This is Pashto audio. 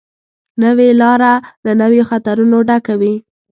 نوې لاره له نویو خطرونو ډکه وي